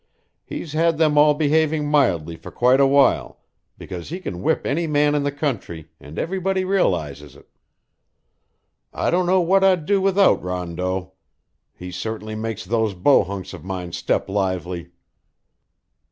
He's had them all behaving mildly for quite a while, because he can whip any man in the country, and everybody realizes it. I don't know what I'd do without Rondeau. He certainly makes those bohunks of mine step lively."